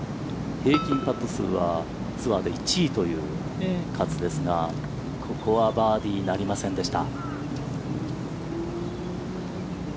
平均パット数は、ツアーで１位という勝ですがここは、バーディーなりませんでした。